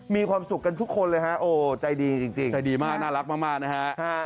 มีความสุขกันทุกคนเลยฮะโอ้ใจดีจริงใจดีมากน่ารักมากนะฮะ